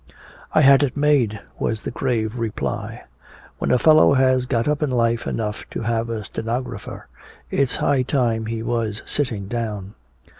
"I had it made," was the grave reply. "When a fellow has got up in life enough to have a stenographer, it's high time he was sitting down."